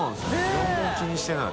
両方気にしてない。